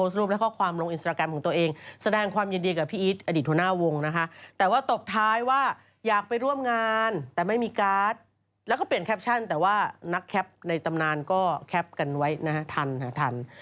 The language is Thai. รูปและข้อความลงอินสตราแกรมของตัวเองแสดงความยินดีกับพี่อีทอดีตหัวหน้าวงนะคะแต่ว่าตบท้ายว่าอยากไปร่วมงานแต่ไม่มีการ์ดแล้วก็เปลี่ยนแคปชั่นแต่ว่านักแคปในตำนานก็แคปกันไว้นะฮะทันค่ะทัน